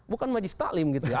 bukan maji stalin gitu ya